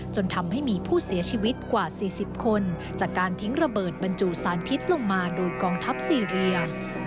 จนทำให้มีผู้เสียชีวิตกว่า๔๐คนจากการทิ้งระเบิดบรรจุสารพิษลงมาโดยกองทัพซีเรีย